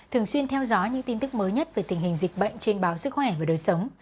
thường xuyên theo dõi những tin tức mới nhất về tình hình dịch bệnh trên báo sức khỏe và đời sống